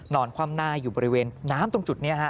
คว่ำหน้าอยู่บริเวณน้ำตรงจุดนี้ฮะ